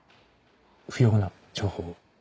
不要な情報を。